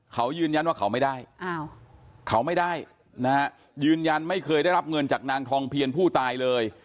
เขายืนยันว่าเขาไม่ได้เขาไม่ได้นะฮะยืนยันไม่เคยได้รับเงินจากนางทองเพียรผู้ตายเลย